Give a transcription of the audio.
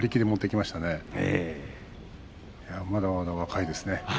まだまだ若いですね。